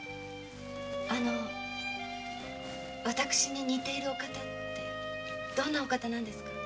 あの私に似ているお方ってどんなお方なんですか？